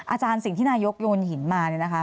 อาจารย์สิ่งที่นายกยนต์หินมานะคะ